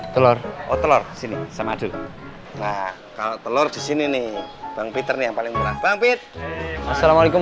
telur telur sini sama aduh telur di sini nih bang peter yang paling murah bang fit assalamualaikum